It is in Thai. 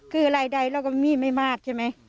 คืออะไรเราก็ไม่มีไม่มากใช่ไหม